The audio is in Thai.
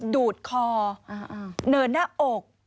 ดูดคอเนินหน้าอก